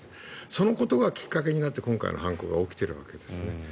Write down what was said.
そのことがきっかけになって今回の犯行が起きているわけですね。